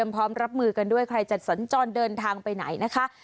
พร้อมรับมือกันด้วยใครจะสัญจรเดินทางไปไหนนะคะ